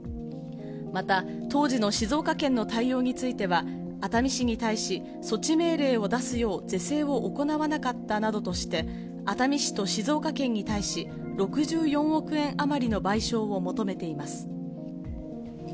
また当時の静岡県の対応については、熱海市に対し、措置命令を出すよう是正を行わなかったなどとして、熱海市と静岡県に対し、６４億円余りの賠償を求めています。